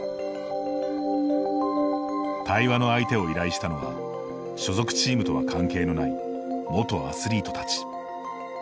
対話の相手を依頼したのは所属チームとは関係のない元アスリートたち。